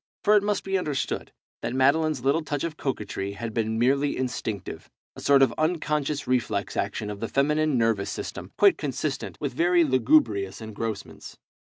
For it must be understood that Madeline's little touch of coquetry had been merely instinctive, a sort of unconscious reflex action of the feminine nervous system, quite consistent with very lugubrious engrossments.